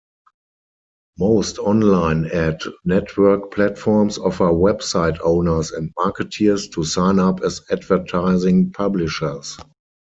Most online ad-network platforms offer website owners and marketers to signup as advertising publishers.